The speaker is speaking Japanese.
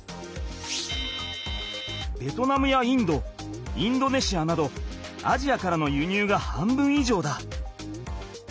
ベトナムやインドインドネシアなどアジアからの輸入が半分いじょうだ。